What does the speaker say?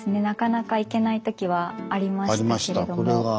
なかなか行けない時はありましたけれども。